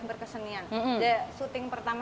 berkesenian shooting pertama